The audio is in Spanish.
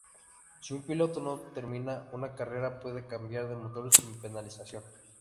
Si un piloto no termina una carrera, puede cambiar de motor sin penalización.